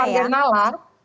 dari keluarga nalla